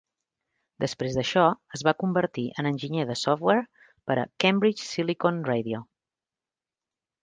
Després d'això, es va convertir en enginyer de software per a Cambridge Silicon Radio.